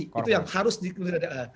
itu yang harus diketahui